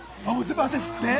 汗を吸って。